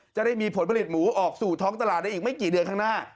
จะได้มีผลผลิตหมูออกสู่ท้องตลาดได้อีกไม่กี่เดือนข้างหน้า